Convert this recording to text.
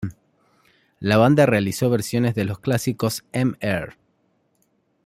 La banda realizó versiones de los clásicos "Mr.